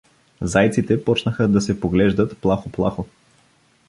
Зайците почнаха да се поглеждат плахо-плахо.